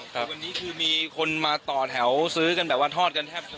แต่วันนี้คือมีคนมาต่อแถวซื้อกันแบบว่าทอดกันแทบ